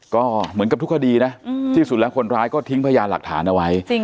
ก็เหมือนกับทุกคดีนะที่สุดแล้วคนร้ายก็ทิ้งพยานหลักฐานเอาไว้